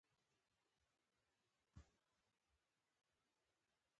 په زرګونو پښتانه محصلین په بهرنیو هیوادونو کې په لوړو زده کړو بوخت دي.